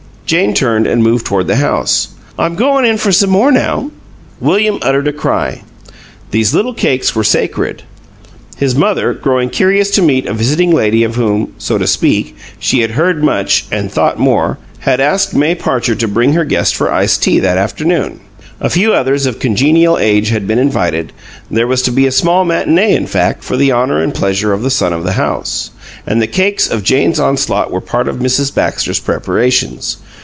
Jane turned and moved toward the house. "I'm goin' in for some more, now." William uttered a cry; these little cakes were sacred. His mother, growing curious to meet a visiting lady of whom (so to speak) she had heard much and thought more, had asked May Parcher to bring her guest for iced tea, that afternoon. A few others of congenial age had been invited: there was to be a small matinee, in fact, for the honor and pleasure of the son of the house, and the cakes of Jane's onslaught were part of Mrs. Baxter's preparations.